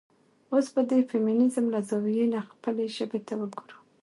اوس به د د فيمينزم له زاويې نه خپلې ژبې ته وګورو.